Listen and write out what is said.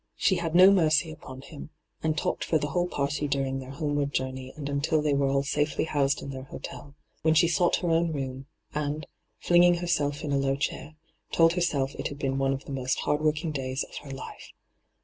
She had no mercy upon him, and talked for the whole party during their homeward journey and until tiiey were all safely housed in their hotel, when she sought her own room, and, flinging herself in a low chair, told herself it had been one of the most hard working days of her life.